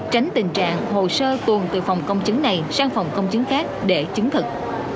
tránh tình trạng hồ sơ tuồn từ phòng công chứng này sang phòng công chứng khác để chứng thực